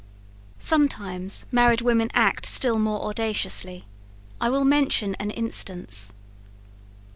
Sometimes married women act still more audaciously; I will mention an instance.